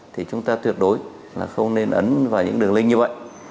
thì chúng ta tuyệt đối là không nên ấn vào những đường link như vậy